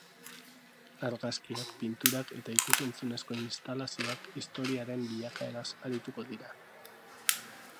Argazkiak, pinturak eta ikus-entzunezko instalazioak historiaren bilakaeraz arituko dira.